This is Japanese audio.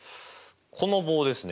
この棒ですね。